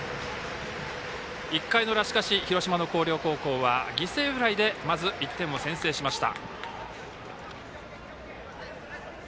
１回の裏、広島の広陵高校は犠牲フライで１点を先制しました。